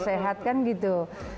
sehat kan gitu